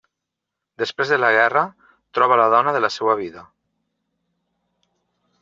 Després de la guerra troba la dona de la seva vida.